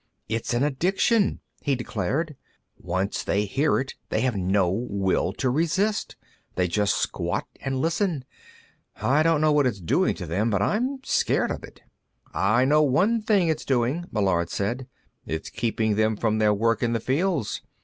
"It's an addiction," he declared. "Once they hear it, they have no will to resist; they just squat and listen. I don't know what it's doing to them, but I'm scared of it." "I know one thing it's doing," Meillard said. "It's keeping them from their work in the fields.